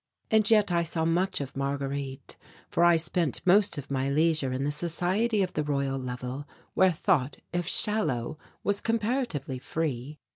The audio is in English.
And yet I saw much of Marguerite, for I spent most of my leisure in the society of the Royal Level, where thought, if shallow, was comparatively free.